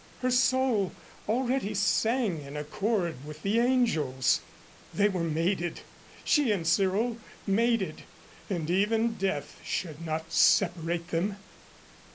Her soul already sang in accord with the angels. They were mated. She and Cyril mated! And even Death should not separate them.